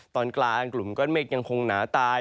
ตอนกลางกลุ่มก้อนเมฆยังคงหนาตาย